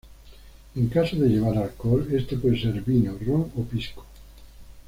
En caso de llevar alcohol, este puede ser vino, ron o pisco.